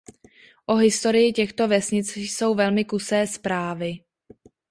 O historii těchto vesnic jsou velmi kusé zprávy.